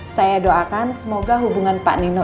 saya doakan semoga hubungan pak nino